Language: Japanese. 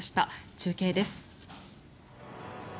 中継です。